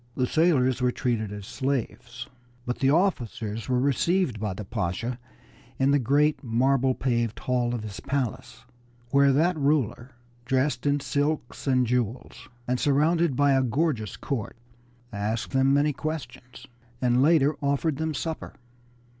The sailors were treated as slaves, but the officers were received by the Pasha in the great marble paved hall of his palace, where that ruler, dressed in silks and jewels, and surrounded by a gorgeous court, asked them many questions, and later offered them supper.